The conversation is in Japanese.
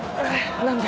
何で？